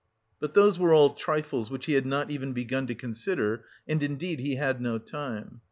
But those were all trifles which he had not even begun to consider, and indeed he had no time.